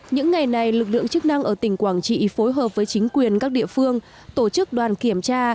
những ngày này lực lượng chức năng ở tỉnh quảng trị phối hợp với chính quyền các địa phương tổ chức đoàn kiểm tra